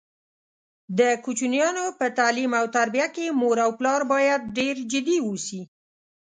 د کوچینیانو په تعلیم او تربیه کې مور او پلار باید ډېر جدي اوسي.